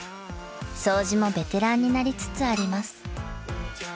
［掃除もベテランになりつつあります］